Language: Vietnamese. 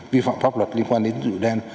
vi phạm pháp luật liên quan đến dụ đen